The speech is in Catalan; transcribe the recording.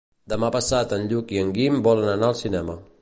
Demà passat en Lluc i en Guim volen anar al cinema.